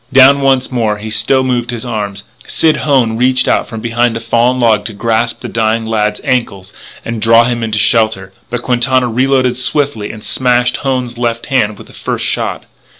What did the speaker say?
Down once more, he still moved his arms. Sid Hone reached out from behind a fallen log to grasp the dying lad's ankle and draw him into shelter, but Quintana reloaded swiftly and smashed Hone's left hand with the first shot.